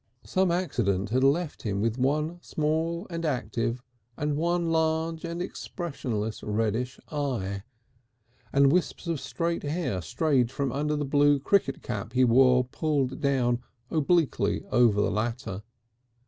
Some accident had left him with one small and active and one large and expressionless reddish eye, and wisps of straight hair strayed from under the blue cricket cap he wore pulled down obliquely over the latter.